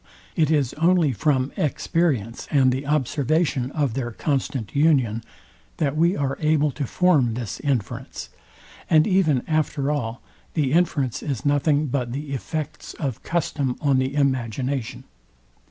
It is only from experience and the observation of their constant union, that we are able to form this inference; and even after all, the inference is nothing but the effects of custom on the imagination.